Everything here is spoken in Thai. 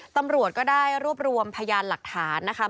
ตำรวจก็ได้รวบรวมพยานหลักฐานนะคะ